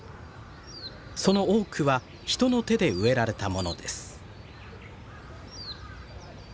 その多くは人の手で植えられたものです。